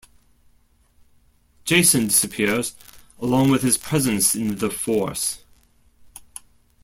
Jacen disappears, along with his presence in the Force.